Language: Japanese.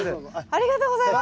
ありがとうございます！